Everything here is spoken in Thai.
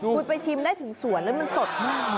คุณไปชิมได้ถึงสวนแล้วมันสดมาก